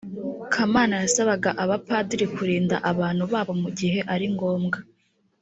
kamana yasabaga abapadiri kurinda abantu babo mugihe ari ngombwa